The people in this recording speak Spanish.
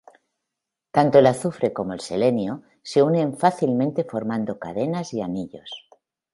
Tanto el azufre como el selenio se unen fácilmente formando cadenas y anillos.